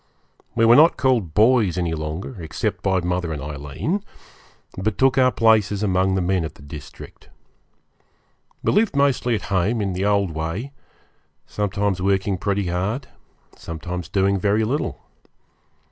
We were not called boys any longer, except by mother and Aileen, but took our places among the men of the district. We lived mostly at home, in the old way; sometimes working pretty hard, sometimes doing very little.